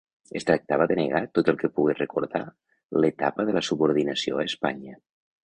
Es tractava de negar tot el que pogués recordar l'etapa de la subordinació a Espanya.